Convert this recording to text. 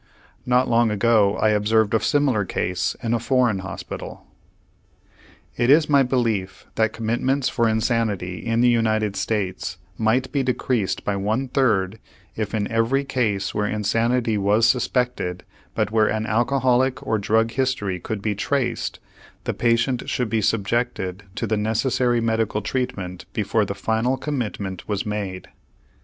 Not long ago I observed a similar case in a foreign hospital. It is my belief that commitments for insanity in the United States might be decreased by one third if in every case where insanity was suspected, but where an alcoholic or drug history could be traced, the patient should be subjected to the necessary medical treatment before the final commitment was made.